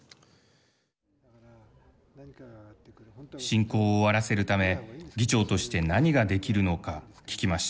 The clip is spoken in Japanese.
侵攻を終わらせるため議長として何ができるのか聞きました。